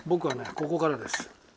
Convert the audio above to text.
ここからです。